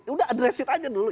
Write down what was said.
udah address it aja dulu